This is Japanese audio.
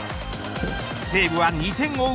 西武は２点を追う